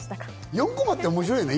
４コマって面白いよね。